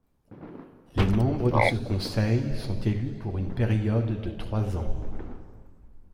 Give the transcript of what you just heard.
Les membres de ce Conseil sont élus pour une période de trois ans.